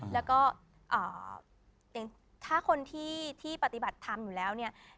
แล้วก็อย่างถ้าคนที่ปฏิบัติธรรมอยู่แล้วเนี่ย